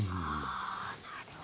あなるほど。